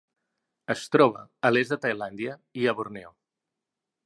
Es troba a l'est de Tailàndia i a Borneo.